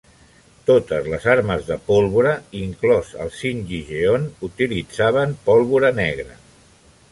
Totes les armes de pólvora, inclòs el singijeon, utilitzaven pólvora negra.